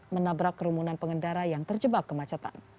menabrak kerumunan pengendara yang terjebak kemacetan